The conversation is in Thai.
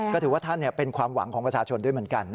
ก็ถือว่าท่านเป็นความหวังของประชาชนด้วยเหมือนกัน